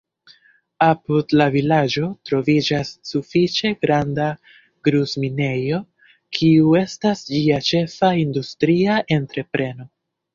Apud la vilaĝo troviĝas sufiĉe granda gruz-minejo, kiu estas ĝia ĉefa industria entrepreno.